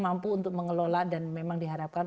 mampu untuk mengelola dan memang diharapkan